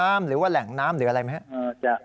หรือว่าแหล่งน้ำหรืออะไรไหมครับ